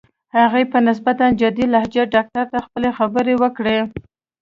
هغې په نسبتاً جدي لهجه ډاکټر ته خپلې خبرې وکړې.